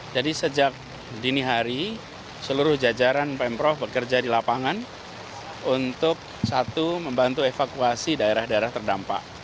sejak dini hari seluruh jajaran pemprov bekerja di lapangan untuk satu membantu evakuasi daerah daerah terdampak